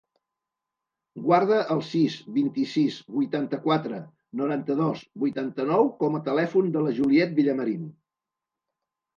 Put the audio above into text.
Guarda el sis, vint-i-sis, vuitanta-quatre, noranta-dos, vuitanta-nou com a telèfon de la Juliette Villamarin.